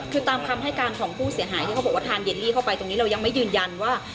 คือตามคำให้การของผู้เสียหายที่เขาบอกว่าทานเดลลี่เข้าไปตรงนี้เรายังไม่ยืนยันว่า